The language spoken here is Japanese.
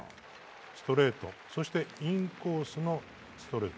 ストレートそしてインコースのストレート。